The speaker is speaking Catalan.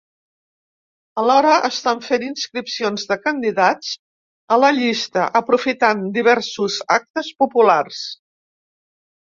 Alhora estant fent inscripcions de candidats a la llista aprofitant diversos actes populars.